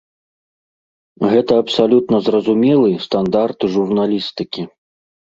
Гэта абсалютна зразумелы стандарт журналістыкі.